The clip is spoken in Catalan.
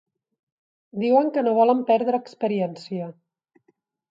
Diuen que no volen perdre experiència.